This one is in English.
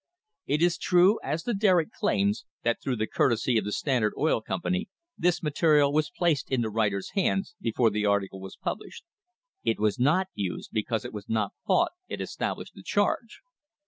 It is true, as the Derrick claims, that through the courtesy of the Standard Oil Company this material was placed in the writer's hands be fore the article was published. It was not used because it was not thought it established the charge.